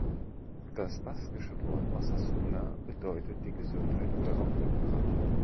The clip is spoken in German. Das baskische Wort "Osasuna" bedeutet „die Gesundheit“ oder auch „die Kraft“.